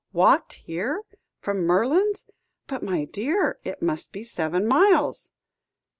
"Walked here? From Merlands? But, my dear, it must be seven miles."